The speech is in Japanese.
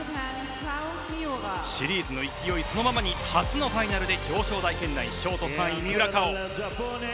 シリーズの勢いそのままに初のファイナルで表彰台圏内のショート３位三浦佳生。